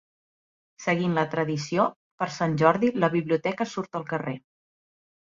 Seguint la tradició, per Sant Jordi la biblioteca surt al carrer.